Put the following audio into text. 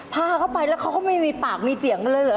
พาเขาไปแล้วเขาก็ไม่มีปากมีเสียงกันเลยเหรอ